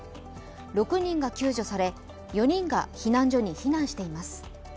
６人が救助され、４人が避難所に避難しています。